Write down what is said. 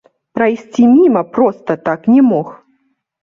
Прайсці міма, проста так, не мог!